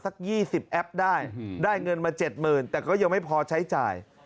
สัก๒๐แอปได้ได้เงินมา๗๐๐๐แต่ก็ยังไม่พอใช้จ่าย